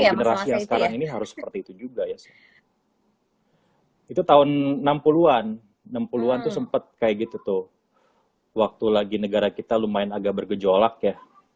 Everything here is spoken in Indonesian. itu tahun enam puluh an enam puluh an tuh sempet kayak gitu tuh waktu lagi negara kita lumayan agak bergejolak ya